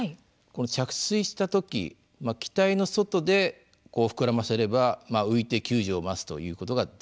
着水した時機体の外で膨らませれば浮いて救助を待つということができます。